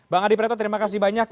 bang adi preto terima kasih banyak